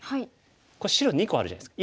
白２個あるじゃないですか。